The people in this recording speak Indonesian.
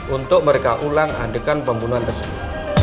untuk mereka ulang adegan pembunuhan tersebut